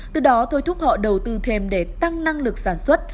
từ đó thôi thúc họ đầu tư thêm để tăng năng lực sản xuất